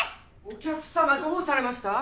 お客様どうされました？